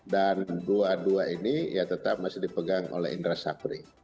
dan dua dua ini ya tetap masih dipegang oleh indra sapri